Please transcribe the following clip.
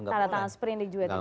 tangan tangan sprint juga